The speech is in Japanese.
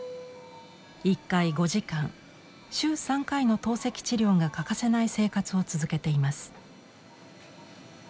一回５時間週３回の透析治療が欠かせない生活を続けています。